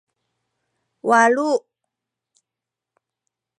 walu